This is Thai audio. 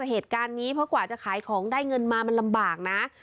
เหตุการณ์นี้เพราะกว่าจะขายของได้เงินมามันลำบากนะ